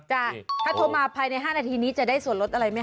ถ้าโทรมาภายใน๕นาทีนี้จะได้ส่วนลดอะไรไหมค